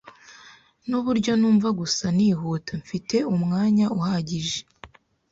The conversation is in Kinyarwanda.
Nuburyo ntumva gusa nihuta. Mfite umwanya uhagije.